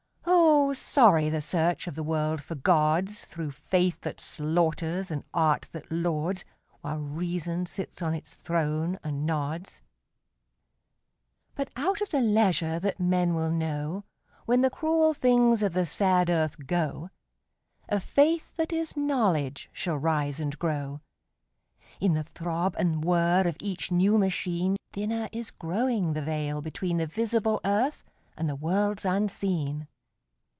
Oh, sorry the search of the world for gods, Through faith that slaughters and art that lauds, While reason sits on its throne and nods. But out of the leisure that men will know, When the cruel things of the sad earth go, A Faith that is Knowledge shall rise and grow. In the throb and whir of each new machine Thinner is growing the veil between The visible earth and the worlds unseen.